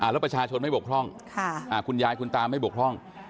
แล้วประชาชนไม่บกพร่องคุณยายคุณตาไม่บกพร่อง